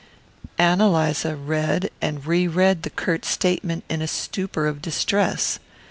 Ann Eliza read and re read the curt statement in a stupor of distress.